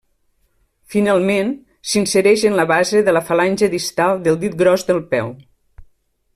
Finalment, s'insereix en la base de la falange distal del dit gros del peu.